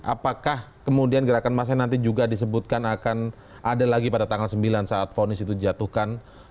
apakah kemudian gerakan massa nanti juga disebutkan akan ada lagi pada tanggal sembilan saat vonis itu dijatuhkan